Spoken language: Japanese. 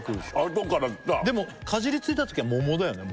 あとからきたでもかじりついたときは桃だよね